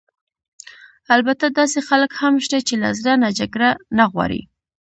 البته داسې خلک هم شته چې له زړه نه جګړه نه غواړي.